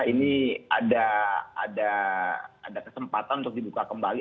ini ada kesempatan untuk dibuka kembali